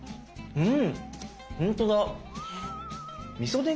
うん。